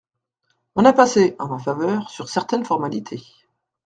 On a passé, en ma faveur, sur certaines formalités.